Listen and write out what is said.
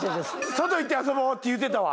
「外行って遊ぼ！！」って言うてたわ。